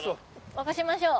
沸かしましょう。